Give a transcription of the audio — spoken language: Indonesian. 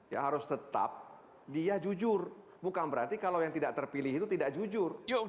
ya harus tetap dia jujur bukan berarti kalau yang tidak terpilih itu tidak jujur